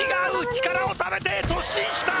力をためて突進した！